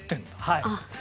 はい。